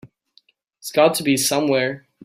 It's got to be somewhere.